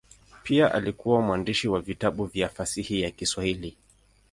Pia alikuwa mwandishi wa vitabu vya fasihi ya Kiswahili.